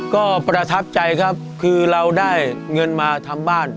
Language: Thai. ก็ประทับใจครับคือเราได้เงินมาทำบ้าน